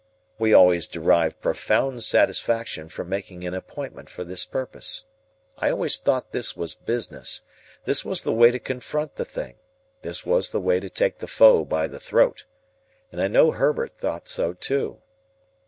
We always derived profound satisfaction from making an appointment for this purpose. I always thought this was business, this was the way to confront the thing, this was the way to take the foe by the throat. And I know Herbert thought so too.